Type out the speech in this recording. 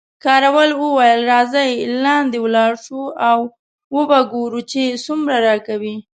کراول وویل، راځئ لاندې ولاړ شو او وو به ګورو چې څومره راکوي.